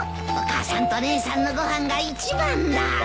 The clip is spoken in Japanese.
お母さんと姉さんのご飯が一番だ。